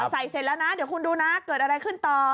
เสร็จแล้วนะเดี๋ยวคุณดูนะเกิดอะไรขึ้นต่อ